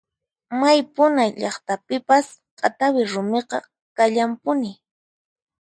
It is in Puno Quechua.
May puna llaqtapipas q'atawi rumiqa kallanpuni.